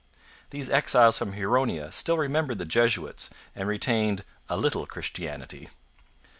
These exiles from Huronia still remembered the Jesuits and retained 'a little Christianity.'